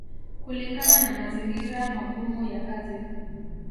kulingana na mazingira magumu ya kazi